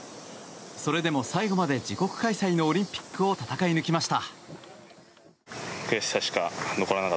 それでも最後まで自国開催のオリンピックを戦い抜きました。